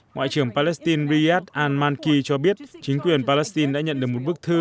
ngoại trưởng palestine riyad al maliki cho biết chính quyền palestine đã nhận được một bức thư